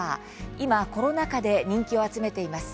今、コロナ禍で人気を集めています。